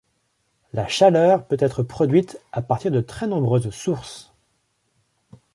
La chaleur peut être produite à partir de très nombreuses sources.